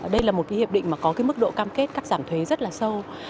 đây là một hiệp định có mức độ cam kết các giảm thuế rất sâu